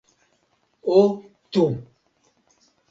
o tu.